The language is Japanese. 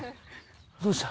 どうした？